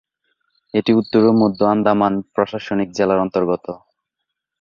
এটি উত্তর ও মধ্য আন্দামান প্রশাসনিক জেলার অন্তর্গত।